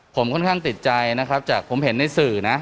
ผมค่อนข้างติดใจนะครับจากผมเห็นในสื่อนะ